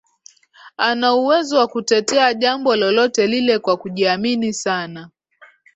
anauwezo wa kutetea jambo lolote lile kwa kujiamini sana